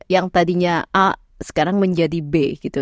yang tadinya a sekarang menjadi b gitu